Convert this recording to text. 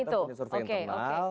kita punya survei internal